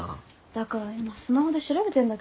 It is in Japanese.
だから今スマホで調べてんだけどさ。